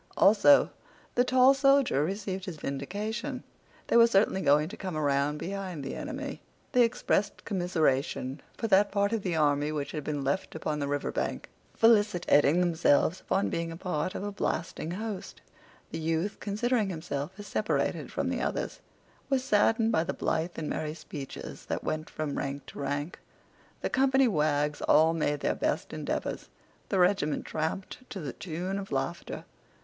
Also, the tall soldier received his vindication. They were certainly going to come around in behind the enemy. They expressed commiseration for that part of the army which had been left upon the river bank, felicitating themselves upon being a part of a blasting host. The youth, considering himself as separated from the others, was saddened by the blithe and merry speeches that went from rank to rank. The company wags all made their best endeavors. The regiment tramped to the tune of laughter.